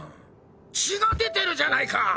血が出てるじゃないか！